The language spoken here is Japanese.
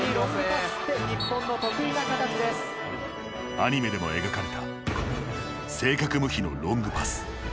アニメでも描かれた正確無比のロングパス。